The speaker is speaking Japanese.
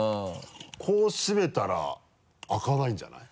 こうしめたら開かないんじゃない？